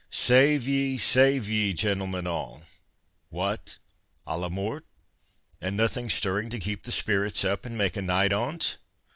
—Save ye, save ye, gentlemen all—What, á la mort, and nothing stirring to keep the spirits up, and make a night on't?